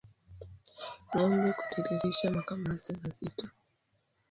Ngombe kutiririsha makamasi mazito